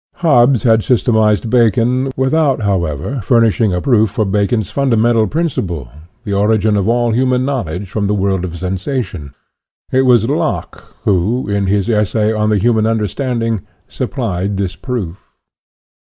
" Hobbes had systematized Bacon, without, however, furnishing a proof for Bacon's funda mental principle, the origin of all human knowl edge from the world of sensation. It was Locke who, in his Essay on the Human Understanding, supplied this proof.